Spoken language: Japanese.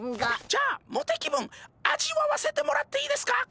じゃあモテ気分味わわせてもらっていいですか？